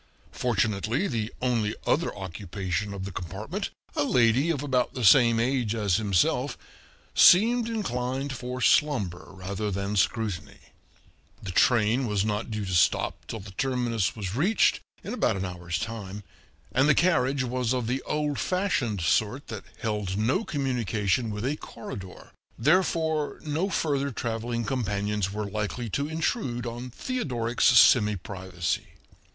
Fortunately the only other occupation of the compartment, a lady of about the same age as himself, seemed inclined for slumber rather than scrutiny; the train was not due to stop till the terminus was reached, in about an hour's time, and the carriage was of the oId fashioned sort that held no communication with a corridor, therefore no further traveling companions were likely to intrude on Theodoric's semiprivacy.